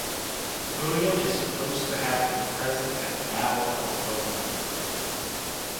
William is supposed to have been present at the Battle of Bouvines.